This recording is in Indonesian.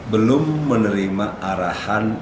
belum menerima arahan